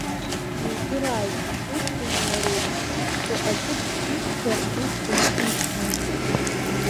Иудырааит уҷкәыни уареи ишәеиԥшу аӡәы диқәшәар уҷкәын дшишьуа…